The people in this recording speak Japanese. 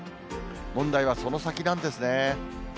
問題はその先なんですね。